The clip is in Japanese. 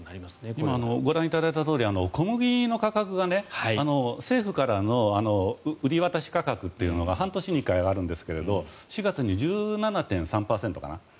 今ご覧いただいたとおり小麦の価格が政府からの売り渡し価格というのが半年に１回あるんですが４月に１７．３％かな。